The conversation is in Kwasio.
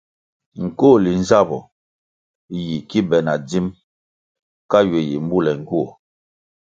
Nkohli nzabpo yi ki be na dzim ka ywe yi mbule ngywuoh.